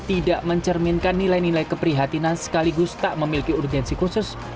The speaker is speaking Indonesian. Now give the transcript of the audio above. tidak mencerminkan nilai nilai keprihatinan sekaligus tak memiliki urgensi khusus